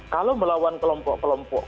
kalau melawan kelompok kelompok yang berbeda